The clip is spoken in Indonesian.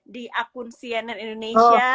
di akun cnn indonesia